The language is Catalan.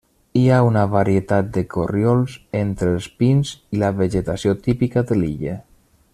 Hi ha una varietat de corriols entre els pins i la vegetació típica de l'illa.